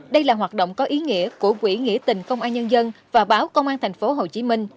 đây là hoạt động có ý nghĩa của quỹ nghĩa tình công an nhân dân và báo công an tp hcm